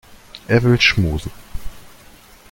Er will schmusen.